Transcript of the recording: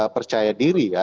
percaya diri ya